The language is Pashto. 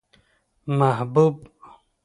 محبوب